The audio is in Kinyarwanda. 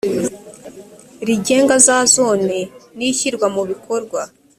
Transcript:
rigenga za zone n ishyirwa mu bikorwa